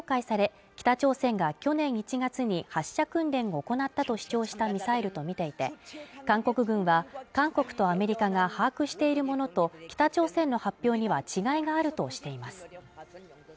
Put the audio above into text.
韓国の専門家はファサル−２型について一昨年初公開され、北朝鮮が去年１月に発射訓練を行ったと主張したミサイルと見ていて韓国軍は韓国とアメリカが把握しているものと北朝鮮の発表には違いがあるとしています。